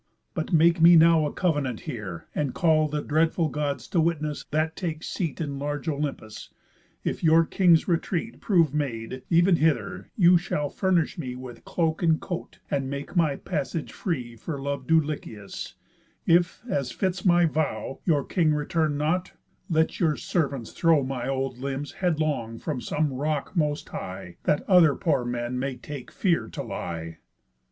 But make me now a covenant here, and call The dreadful Gods to witness, that take seat In large Olympus: If your king's retreat Prove made, ev'n hither, you shall furnish me With cloak, and coat, and make my passage free For lov'd Dulichius; if, as fits my vow, Your king return not, let your servants throw My old limbs headlong from some rock most high, That other poor men may take fear to lie."